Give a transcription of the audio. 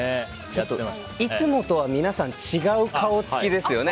いつもとは皆さん違う顔つきですよね。